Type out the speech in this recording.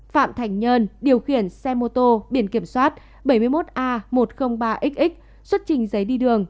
phạm thành nhơn điều khiển xe mô tô biển kiểm soát bảy mươi một a một trăm linh ba xx xuất trình giấy đi đường